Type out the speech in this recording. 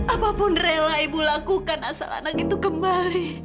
apapun rela ibu lakukan asal anak itu kembali